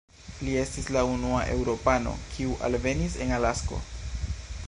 Li estis la unua eŭropano, kiu alvenis en Alasko.